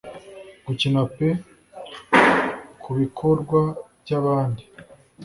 Gukina pe kubikorwa byabandi;